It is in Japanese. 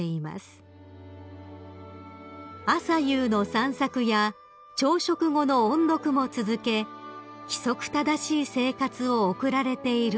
［朝夕の散策や朝食後の音読も続け規則正しい生活を送られているといいます］